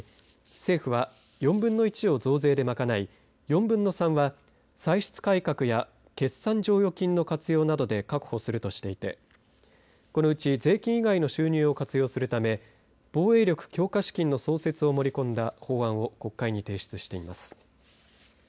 政府は４分の１を増税で賄い４分の３は歳出改革や決算剰余金の活用などで確保するとしていてこのうち税金以外の収入を活用するため防衛力強化資金の創設を盛り込んだ法案を国会に提出しています。